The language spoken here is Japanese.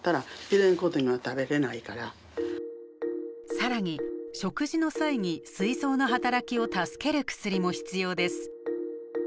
更に食事の際にすい臓の働きを助ける薬も必要です。